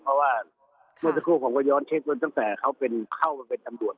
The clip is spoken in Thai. เพราะว่าเมื่อสักครู่ผมก็ย้อนเช็ควันตั้งแต่เขาเป็นเข้ามาเป็นตำรวจ